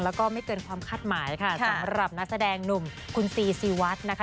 แล้วก็ไม่เกินความคาดหมายค่ะสำหรับนักแสดงหนุ่มคุณซีซีวัดนะคะ